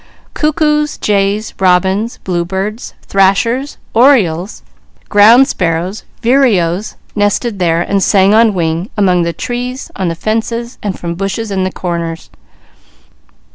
Cuckoos, jays, robins, bluebirds, thrashers, orioles, sparrows, and vireos, nested there, singing on wing, among the trees, on the fences, and from bushes in the corners.